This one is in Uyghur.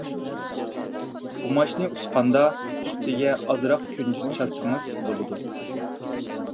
ئۇماچنى ئۇسقاندا، ئۈستىگە ئازراق كۈنجۈت چاچسىڭىز بولىدۇ.